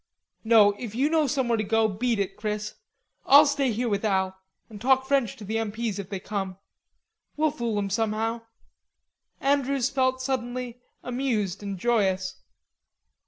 "No. If you know somewhere to go, beat it, Chris. I'll stay here with Al and talk French to the M. P.'s if they come. We'll fool 'em somehow." Andrews felt suddenly amused and joyous.